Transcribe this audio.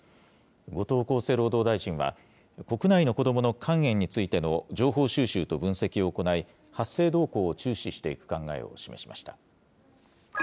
後藤厚生労働大臣は、国内の子どもの肝炎についての情報収集と分析を行い、発生動向を注視していく考えを示しました。